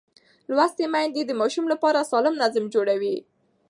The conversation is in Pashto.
لوستې میندې د ماشوم لپاره سالم نظم جوړوي.